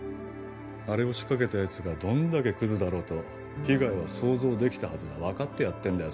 あれを仕掛けたやつがどんだけクズだろうと被害は想像できたはずだ分かってやってんだよ